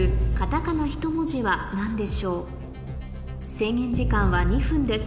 制限時間は２分です